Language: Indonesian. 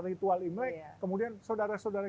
ritual imlek kemudian saudara saudara